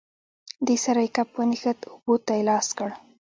دې سره یې کپ ونښت، اوبو ته یې لاس کړ.